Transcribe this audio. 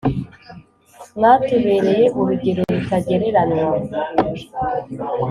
mwatubereye urugero rutagereranywa